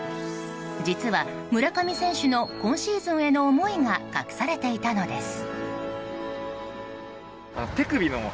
実は、村上選手の今シーズンへの思いが隠されていたのです。